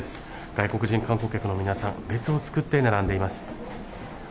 外国人観光客の皆さん、列を作って並んでいます。